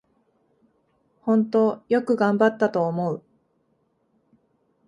ほんとよく頑張ったと思う